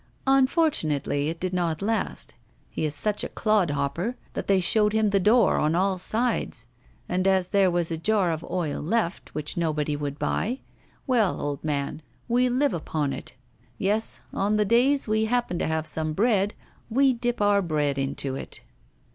Unfortunately, it did not last. He is such a clod hopper that they showed him the door on all sides. And as there was a jar of oil left which nobody would buy, well, old man, we live upon it. Yes, on the days when we happen to have some bread we dip our bread into it.